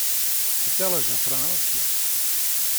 Fertel ris in ferhaaltsje?